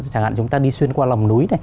chẳng hạn chúng ta đi xuyên qua lòng núi